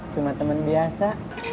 cuma temen biasa